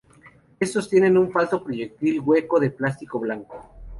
Estos tienen un falso proyectil hueco de plástico blanco.